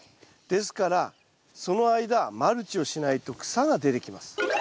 ですからその間マルチをしないと草が出てきます。